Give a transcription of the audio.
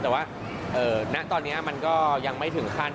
แต่ว่าณตอนนี้มันก็ยังไม่ถึงขั้น